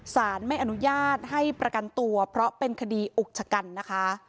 สารไม่อนุญาตให้ประกันตัวเพราะเป็นคดีอุกชะกันนะคะ